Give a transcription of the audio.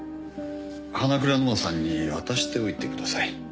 花倉乃愛さんに渡しておいてください。